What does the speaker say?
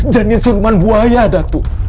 janin siluman buaya datu